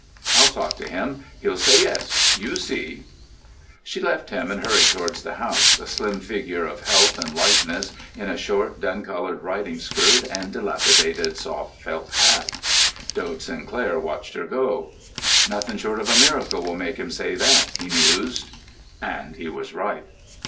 I'll talk to him; he'll say yes; you see——" She left him and hurried towards the house, a slim figure of health and lightness in a short, dun coloured riding skirt and dilapidated soft felt hat. Dode Sinclair watched her go. "Nothing short of a miracle will make him say that," he mused. And he was right.